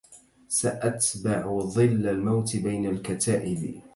سأتبع ظل الموت بين الكتائب